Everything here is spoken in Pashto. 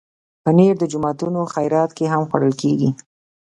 پنېر د جوماتونو خیرات کې هم خوړل کېږي.